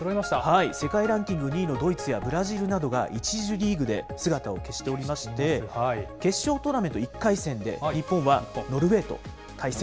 世界ランキング２位のドイツやブラジルなどが１次リーグで姿を消しておりまして、決勝トーナメント１回戦で、日本はノルウェーと対戦。